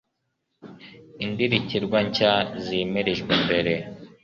i ndirikirwa nshya zimirijwe imbere